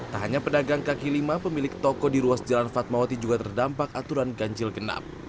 tak hanya pedagang kaki lima pemilik toko di ruas jalan fatmawati juga terdampak aturan ganjil genap